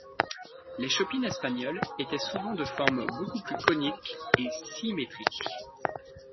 Les chopines espagnoles étaient souvent de formes beaucoup plus coniques et symétriques.